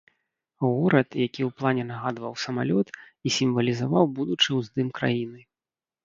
Горад, які ў плане нагадваў самалёт і сімвалізаваў будучы ўздым краіны.